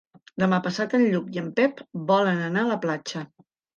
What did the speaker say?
Demà passat en Lluc i en Pep volen anar a la platja.